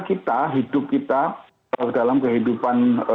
kita hidup kita dalam kehidupan